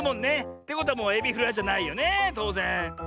ってことはもうエビフライじゃないよねとうぜん。